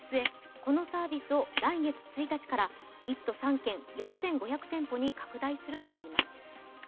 このサービスを来月１日から１都３県、４５００店舗に拡大するといいます。